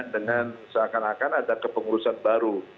dengan seakan akan ada kepengurusan baru